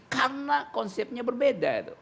karena konsepnya berbeda